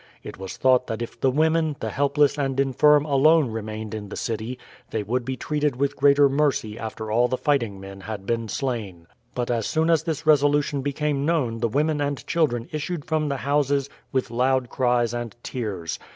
It was thought that if the women, the helpless, and infirm alone remained in the city they would be treated with greater mercy after all the fighting men had been slain. But as soon as this resolution became known the women and children issued from the houses with loud cries and tears.